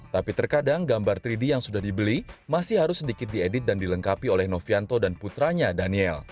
tapi terkadang gambar tiga d yang sudah dibeli masih harus sedikit diedit dan dilengkapi oleh novianto dan putranya daniel